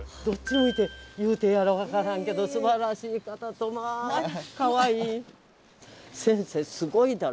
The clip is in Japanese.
どっち向いて言うてええやら分からんけどすばらしい方とまあかわいい。